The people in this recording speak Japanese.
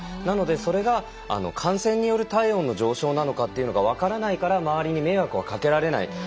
なので、それが感染による体温の上昇なのかが分からないから周りに迷惑はかけられない。